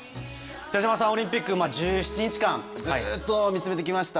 北島さん、オリンピック１７日間ずっと見つめてきました。